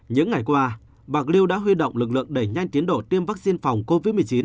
những ngày qua bạc liêu đã huy động lực lượng đẩy nhanh tiến độ tiêm vaccine phòng covid một mươi chín